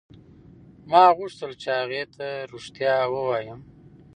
ما غوښتل چې هغې ته رښتیا ووایم.